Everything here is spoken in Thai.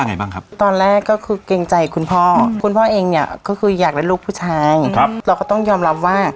นี่ครับคือเมนูตำปะร้า